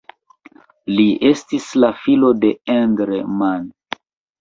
Li estis la filo de Endre Mann.